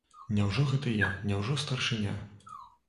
Няўжо гэта я, няўжо старшыня?